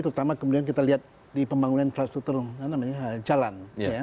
terutama kemudian kita lihat di pembangunan infrastruktur jalan